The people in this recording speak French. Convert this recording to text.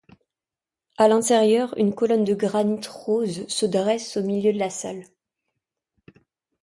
À l'intérieur, une colonne de granit rose se dresse au milieu de la salle.